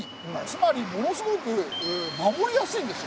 つまりものすごく守りやすいんですよ。